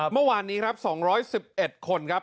เมื่อวานนี้ครับ๒๑๑คนครับ